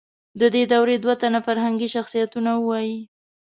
د دې دورې دوه تنه فرهنګي شخصیتونه ووایئ.